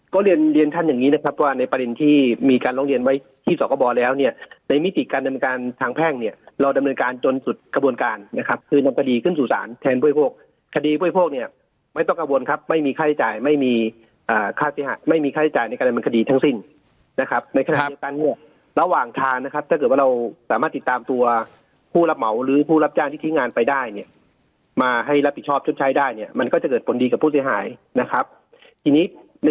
ก็เรียนท่านอย่างนี้นะครับว่าในประเด็นที่มีการร้องเรียนไว้ที่สกบแล้วเนี่ยในมิติการดำเนินการทางแพ่งเนี่ยเราดำเนินการจนสุดกระบวนการนะครับคือนำคดีขึ้นสู่ศาลแทนพวกพวกคดีพวกพวกเนี่ยไม่ต้องกระบวนครับไม่มีค่าใช้จ่ายไม่มีค่าเสียหายไม่มีค่าใช้จ่ายในการดำเนินคดีทั้งสิ้